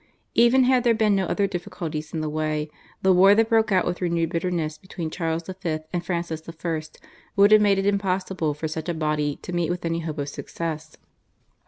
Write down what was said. Even had there been no other difficulties in the way, the war that broke out with renewed bitterness between Charles V. and Francis I. would have made it impossible for such a body to meet with any hope of success.